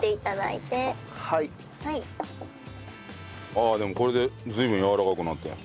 ああでもこれで随分やわらかくなったよ。